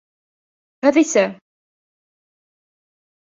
Хәҙисә